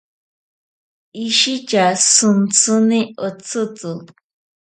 Ishitya shintsini otsitzi.